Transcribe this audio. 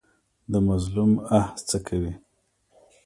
د مظلوم آه څه کوي؟